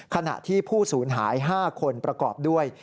ขณะที่ผู้สูญหาย๕คนประกอบด้วย